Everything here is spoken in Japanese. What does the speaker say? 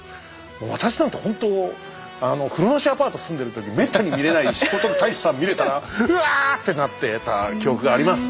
私なんてほんと風呂なしアパート住んでる時めったに見れない聖徳太子さん見れたら「うわ！」ってなってた記憶があります。